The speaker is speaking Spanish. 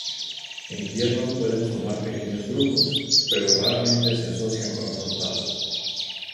En invierno pueden formar pequeños grupos, pero raramente se asocian con otros patos.